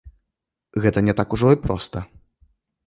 Гэта не так ужо і проста.